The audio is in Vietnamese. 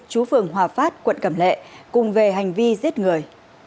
chú phường hòa phát quận cẩm lệ cùng về hành vi giết người